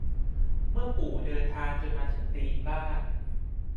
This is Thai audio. เมื่อปู่เดินทางจนมาถึงตีนบ้าน